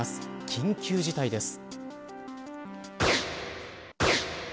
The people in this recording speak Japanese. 緊急事態です。